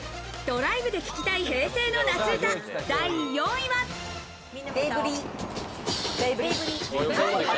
ドライブで聴きたい平成の夏ベイブリ。